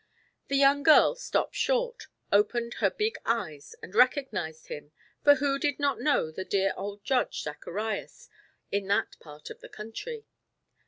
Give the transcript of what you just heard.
The young girl stopped short opened her big eyes and recognized him (for who did not know the dear old Judge Zacharias in that part of the country?).